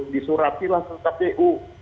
disuratilah ke kpu